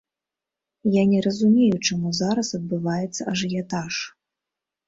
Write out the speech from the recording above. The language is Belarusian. Я не разумею, чаму зараз адбываецца ажыятаж.